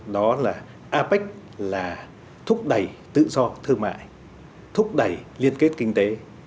đó là apec là thúc đẩy tự do thương mại thúc đẩy liên kết kinh tế